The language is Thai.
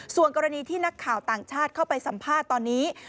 ส่วนกรณีที่นักข่าวต่างชาติเข้าไปสัมภาษณ์ตอนนี้